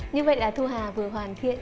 như vậy là thu hà vừa hoàn thiện